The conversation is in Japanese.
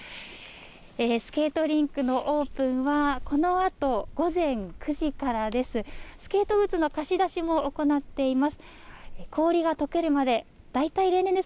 スケートリンクのオープンは、このあと午前９時からです。